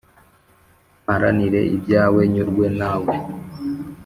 mparanire ibyawe nyurwe na we